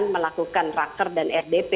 melakukan raker dan rdp